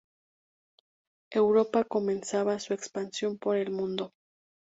Europa comenzaba su expansión por el mundo.